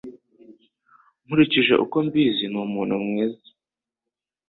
Nkurikije uko mbizi, ni umuntu mwiza.